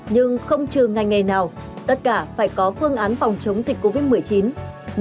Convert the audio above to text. nhưng không trừ ngay ngày nào tất cả phải có phương án phòng chống dịch covid một mươi chín